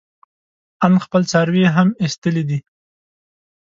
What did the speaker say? ان خپل څاروي يې هم ايستلي دي.